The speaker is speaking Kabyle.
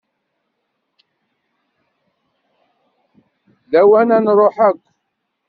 D lawan ad nruḥ akk.